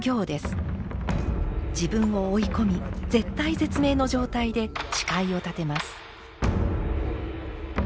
自分を追い込み絶体絶命の状態で誓いを立てます。